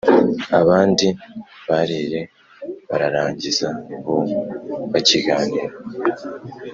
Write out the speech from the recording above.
abandi bariye bararangiza bo bakiganira